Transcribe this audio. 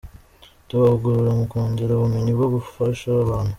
Tubahugura mu kongera ubumenyi bwo gufasha abantu.